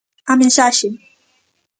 A mensaxe.